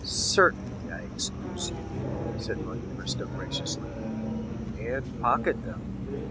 "Certainly, I excuse you," said Monte Cristo graciously, "and pocket them."